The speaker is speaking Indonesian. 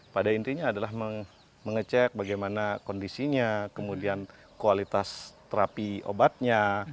pada intinya adalah mengecek bagaimana kondisinya kemudian kualitas terapi obatnya